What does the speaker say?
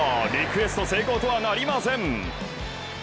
リクエスト成功とはなりません。